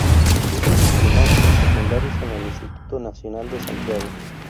Hizo sus primarios y secundarios en el Instituto Nacional de Santiago.